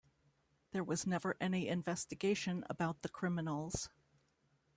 There was never any investigation about the criminals.